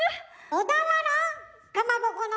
小田原⁉かまぼこの？